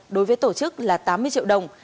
đối với tổ chức là tám mươi triệu đồng